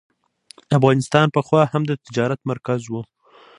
افغانستان پخوا هم د تجارت مرکز و.